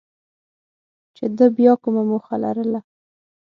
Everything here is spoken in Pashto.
چې ده بیا کومه موخه لرله.